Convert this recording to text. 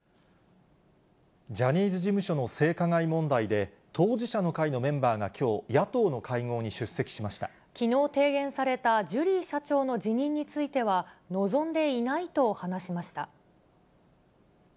ジャニーズ事務所の性加害問題で、当事者の会のメンバーがきょう、きのう提言されたジュリー社長の辞任については、望んでいないと話しました。